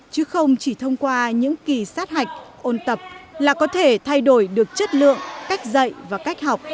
chứ không chỉ thông qua những kỳ sát hạch ôn tập là có thể thay đổi được chất lượng cách dạy và cách học